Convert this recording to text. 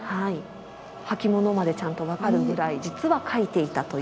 履き物までちゃんと分かるぐらい実は描いていたという。